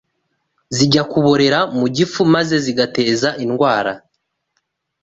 zijya kuborera mu gifu maze zigateza indwara